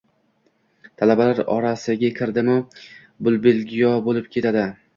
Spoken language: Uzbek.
Talabalar orasiga kirdimi — bulbuligo‘yo bo‘lib ketadi…